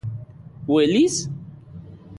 ¿Uelis...?